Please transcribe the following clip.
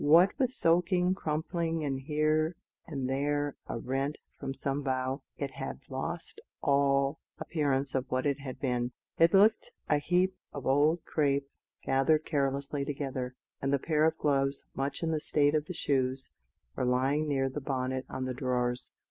What with soaking, crumpling, and here and there a rent from some bough, it had lost all appearance of what it had been: it looked a heap of old crape gathered carelessly together; and the pair of gloves, much in the state of the shoes, were lying near the bonnet on the drawers.